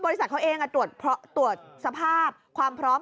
บริษัทเขาเองตรวจสภาพความพร้อม